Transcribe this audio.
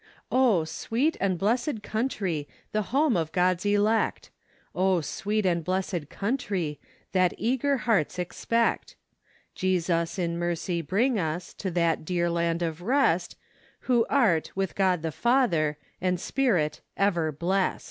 " Oh! sweet and hlessecl Country , The home of Go(Vs elect; Oh ! sweet and blessed Country , That eager hearts expect; Jesus , in mercy bring us To that dear land of rest; Who art , with God the Father , And Spirit , ever blest